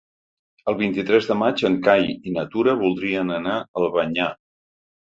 El vint-i-tres de maig en Cai i na Tura voldrien anar a Albanyà.